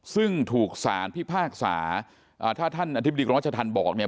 ซึ่งถูกสารพิพากษาถ้าท่านอธิบดีกรมราชธรรมบอกเนี่ย